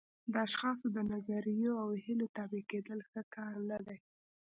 د اشخاصو د نظریو او هیلو تابع کېدل ښه کار نه دی.